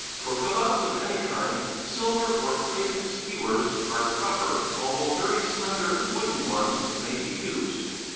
For kabobs of any kind, silver or plated skewers are proper, although very slender wooden ones may be used.